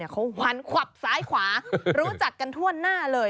เขาหันขวับซ้ายขวารู้จักกันทั่วหน้าเลย